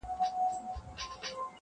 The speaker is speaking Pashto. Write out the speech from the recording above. o پر تك سره پلـــنــگ.